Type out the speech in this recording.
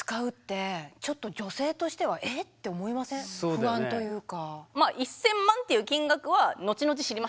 不安というか。